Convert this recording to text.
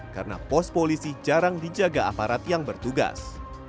karena pos polisi jarang dijaga aparat yang bertugas